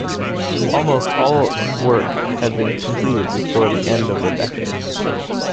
Almost all work had been completed before the end of the decade.